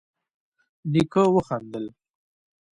نيکه وخندل: